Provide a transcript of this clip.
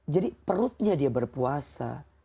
jadi perutnya dia berpuasa